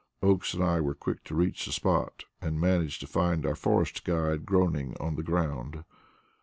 Oakes and I were quick to reach the spot, and managed to find our forest guide groaning on the ground.